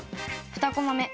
２コマ目。